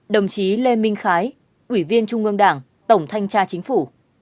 ba mươi đồng chí lê minh khái ủy viên trung ương đảng tổng thanh tra chính phủ